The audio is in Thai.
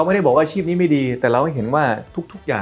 มันไม่ลอย